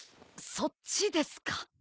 そっちですか。